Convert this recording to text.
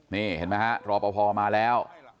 นี่เห็นไหมฮะรอป่าพอร์มาแล้ว